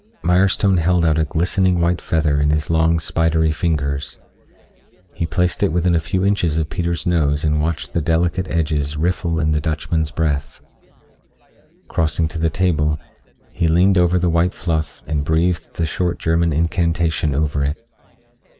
Mirestone held out a glistening white feather in his long spidery fingers. He placed it within a few inches of Peter's nose and watched the delicate edges riffle in the Dutchman's breath. Crossing to the table, he leaned over the white fluff and breathed the short German incantation over it.